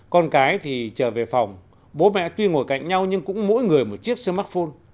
con cái thì trở về phòng bố mẹ tuy ngồi cạnh nhau nhưng cũng mỗi người một chiếc smartphone